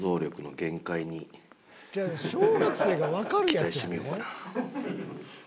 小学生がわかるやつやで。